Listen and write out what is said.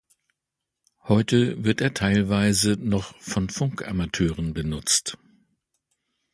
Heute wird er teilweise noch von Funkamateuren benutzt.